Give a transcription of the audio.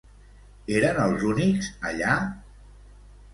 Eren els únics allà?